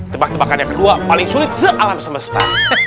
tebak tebakan yang kedua paling sulit se alam semesta